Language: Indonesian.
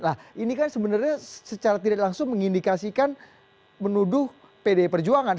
nah ini kan sebenarnya secara tidak langsung mengindikasikan menuduh pdi perjuangan